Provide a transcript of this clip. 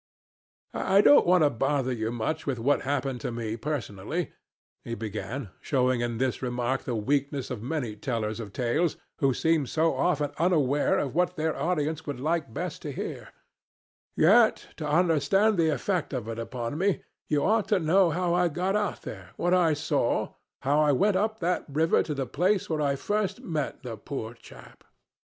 "I don't want to bother you much with what happened to me personally," he began, showing in this remark the weakness of many tellers of tales who seem so often unaware of what their audience would best like to hear; "yet to understand the effect of it on me you ought to know how I got out there, what I saw, how I went up that river to the place where I first met the poor chap.